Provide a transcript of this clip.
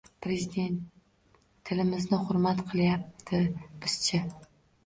Prezident tilimizni hurmat qilyapti, biz -chi?!